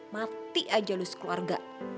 mati aja lo sekeluarga